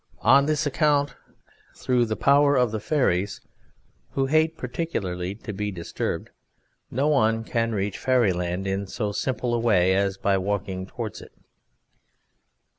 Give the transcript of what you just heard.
On this account, through the power of the fairies, who hate particularly to be disturbed, no one can reach Fairyland in so simple a way as by walking towards it."